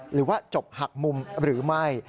หรือว่าจบหักมุมหรือไม่